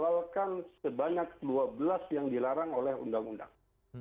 soalkan sebanyak dua belas yang dilarang oleh undang undang